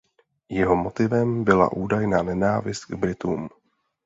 Jeho motivem byla údajná nenávist k Britům.